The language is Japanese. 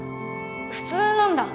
普通なんだ。